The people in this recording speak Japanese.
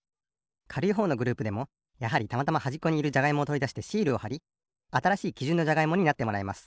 かるいほうのグループでもやはりたまたまはじっこにいるじゃがいもをとりだしてシールをはりあたらしいきじゅんのじゃがいもになってもらいます。